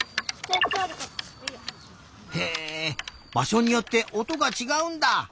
へえばしょによっておとがちがうんだ。